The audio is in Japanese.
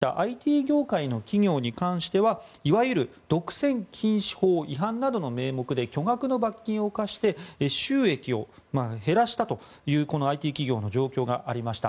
これまで共同富裕実現するために高い収益を上げていたＩＴ業界の企業に関してはいわゆる独占禁止法違反などの名目で巨額の罰金を科して収益を減らしたというこのＩＴ企業の状況がありました。